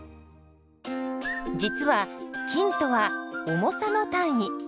実は「斤」とは「重さ」の単位。